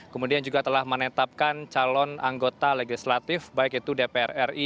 kemudian juga telah menetapkan calon anggota legislatif baik itu dpr ri